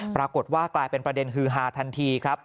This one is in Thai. ปรากฏว่ากลายเป็นประเด็นฮือฮาทันทีครับ